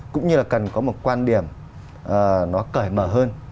cũng như là cần có một quan điểm nó cởi mở hơn